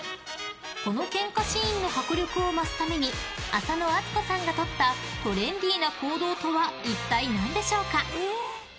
このケンカシーンの迫力を増すために浅野温子さんがとったトレンディーな行動とは一体なんでしょうか。